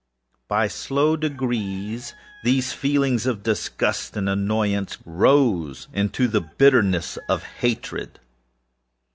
By slow degrees, these feelings of disgust and annoyance rose into the bitterness of hatred.